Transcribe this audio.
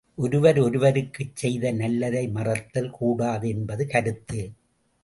ஒருவர் ஒருவருக்குச் செய்த நல்லதை மறத்தல் கூடாது என்பது கருத்து.